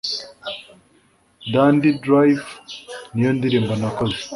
dandy drive niyo ndirimbo nakoze